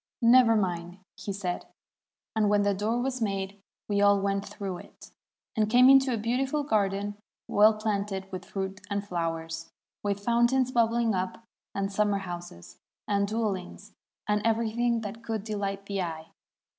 'Never mind,' said he; and when the door was made, we all went through it, and came into a beautiful garden well planted with fruit and flowers, with foun tains bubbling up, and summer houses, and dwellings, and everything that could delight the eye.